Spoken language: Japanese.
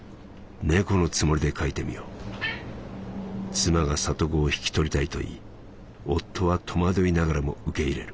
妻が里子を引き取りたいと言い夫は戸惑いながらも受け入れる。